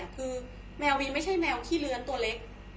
คือแมวยังไม่ใช่แมวขี้เลื้อนตัวเล็ก